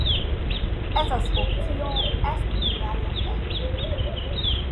Ez az opció ezt bírálja felül.